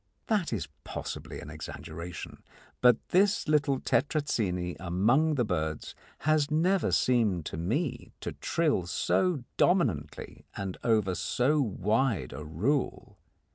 That is possibly an exaggeration, but this little Tetrazzini among the birds has never seemed to me to trill so dominantly and over so wide a rule.